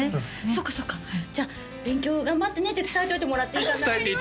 そっかそっかじゃあ勉強頑張ってねって伝えといてもらっていいかな？